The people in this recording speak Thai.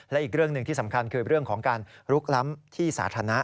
และอีกเรื่องหนึ่งที่สำคัญคือเรื่องของการลุกล้ำที่สาธารณะ